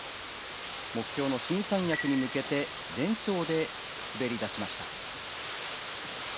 目標の新三役に向けて連勝で滑り出しました。